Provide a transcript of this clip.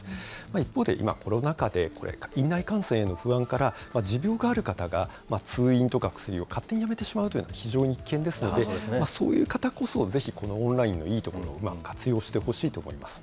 一方で、今、コロナ禍でこれ、院内感染への不安から、持病がある方が、通院とか薬を勝手にやめてしまうというのは非常に危険ですので、そういう方こそ、ぜひ、このオンラインのいいところをうまく活用してほしいと思います。